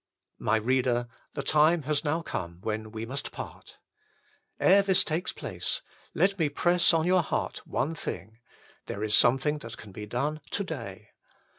My reader, the time has now come when we must part. Ere this takes place, let me press on your heart one thing. There is something that can be done to day.